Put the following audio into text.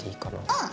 うん。